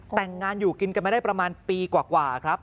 แต่งงานอยู่กินกันมาได้ประมาณปีกว่าครับ